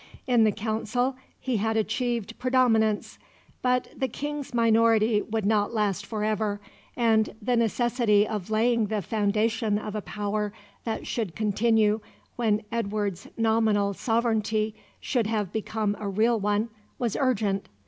In the Council he had achieved predominance, but the King's minority would not last for ever, and the necessity of laying the foundation of a power that should continue when Edward's nominal sovereignty should have become a real one was urgent.